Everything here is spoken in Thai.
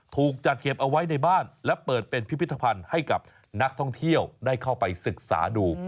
ถูกจัดเก็บเอาไว้ในบ้านและเปิดเป็นพิพิธภัณฑ์ให้กับนักท่องเที่ยวได้เข้าไปศึกษาดู